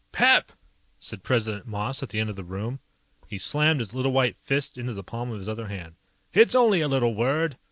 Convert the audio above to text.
_ "PEP!" said President Moss at the end of the room. He slammed his little white fist into the palm of his other hand. "It's only a little word.